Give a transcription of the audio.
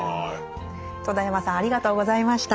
戸田山さんありがとうございました。